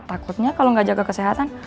takutnya kalau nggak jaga kesehatan